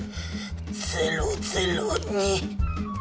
００２。